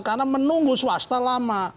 karena menunggu swasta lama